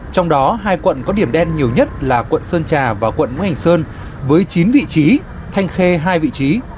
trong đó hai quận có điểm đen nhiều nhất là quận sơn trà và quận ngũ hành sơn với chín vị trí thanh khê hai vị trí